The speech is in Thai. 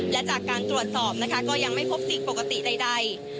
และจากการตรวจสอบนะคะก็ยังไม่พบสิ่งปกติใด